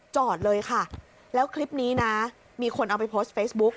จอดเลยค่ะแล้วคลิปนี้นะมีคนเอาไปโพสต์เฟซบุ๊ก